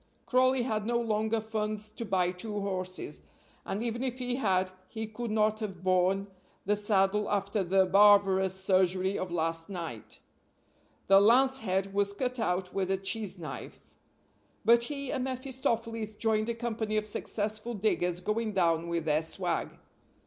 Crawley had no longer funds to buy two horses, and, even if he had, he could not have borne the saddle after the barbarous surgery of last night the lance head was cut out with a cheese knife. But he and mephistopheles joined a company of successful diggers going down with their swag.